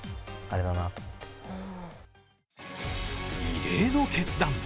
異例の決断。